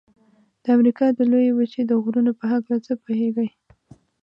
د امریکا د لویې وچې د غرونو په هکله څه پوهیږئ؟